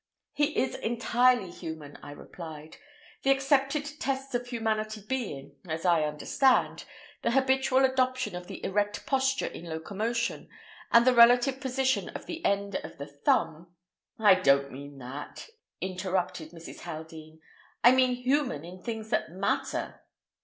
"He is entirely human," I replied; "the accepted tests of humanity being, as I understand, the habitual adoption of the erect posture in locomotion, and the relative position of the end of the thumb—" "I don't mean that," interrupted Mrs. Haldean. "I mean human in things that matter."